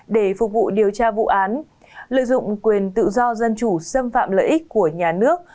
để phục vụ điều tra vụ án lợi dụng quyền tự do dân chủ xâm phạm lợi ích của nhà nước